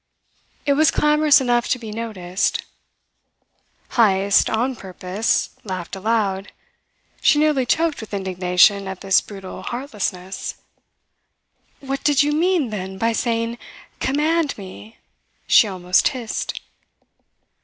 It was clamorous enough to be noticed. Heyst, on purpose, laughed aloud. She nearly choked with indignation at this brutal heartlessness. "What did you mean, then, by saying 'command me!'?" she almost hissed.